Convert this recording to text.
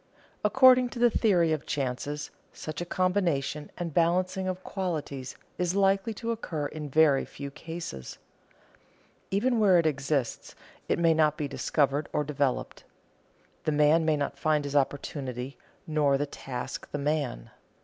According to the theory of chances, such a combination and balancing of qualities is likely to occur in very few cases. Even where it exists, it may not be discovered or developed. The man may not find his opportunity, nor the task the man.